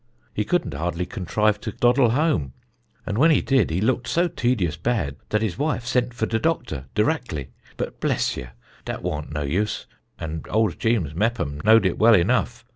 He could'nt hardly contrive to doddle home, and when he did he looked so tedious bad dat his wife sent for de doctor dirackly. But bless ye, dat waunt no use; and old Jeems Meppom knowed it well enough.